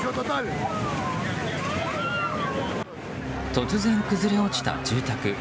突然、崩れ落ちた住宅。